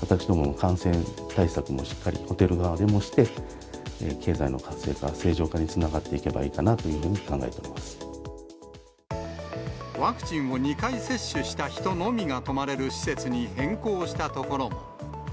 私ども感染対策も、しっかりホテル側でもして、経済の活性化、正常化につながっていけばいいかワクチンを２回接種した人のみが泊まれる施設に変更したところも。